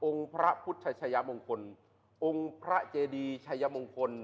พระพุทธชายมงคลองค์พระเจดีชัยมงคล